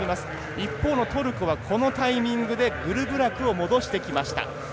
一方のトルコはこのタイミングでグルブラクを戻しきました。